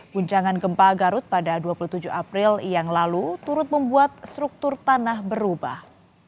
guncangan gempa garut pada dua puluh tujuh april yang lalu turut membuat struktur tanah berubah